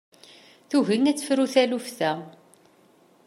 Tugi ad tefru taluft-a.